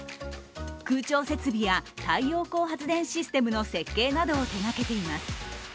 空調設備や太陽光発電システムの設計などを手がけています。